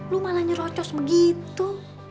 lu malah nyerocos begitu